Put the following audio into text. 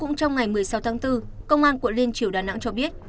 cũng trong ngày một mươi sáu tháng bốn công an quận liên triều đà nẵng cho biết